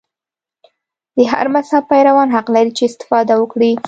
د هر مذهب پیروان حق لري چې استفاده وکړي.